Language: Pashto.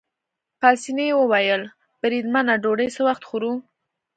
پاسیني وویل: بریدمنه ډوډۍ څه وخت خورو؟